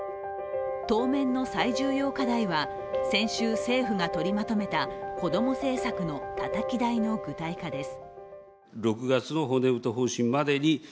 当面の最重要課題は先週、政府が取りまとめた子ども政策のたたき台の具体化です。